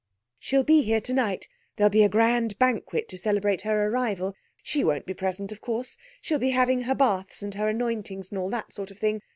She'll be here tonight; there'll be a grand banquet to celebrate her arrival. She won't be present, of course. She'll be having her baths and her anointings, and all that sort of thing.